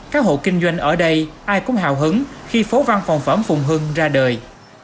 các hộ kinh doanh ở đây ai cũng hào hứng khi phố văn phòng phẩm phùng hưng ra đời